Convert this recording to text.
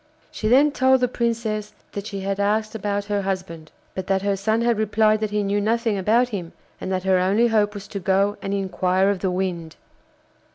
She then told the Princess that she had asked about her husband, but that her son had replied that he knew nothing about him, and that her only hope was to go and inquire of the Wind.